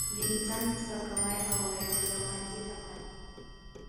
د انسان سپکاوی او وژل یوه عادي خبره وه.